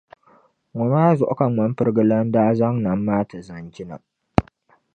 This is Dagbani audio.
Ŋɔ maa zuɣu ka Ŋmampirigu Lana daa zaŋ Nam maa ti Zanjina.